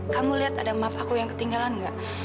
kamu lihat ada map aku yang ketinggalan enggak